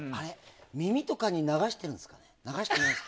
耳とかに流してないんですか？